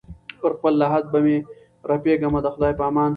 پر خپل لحد به مي رپېږمه د خدای په امان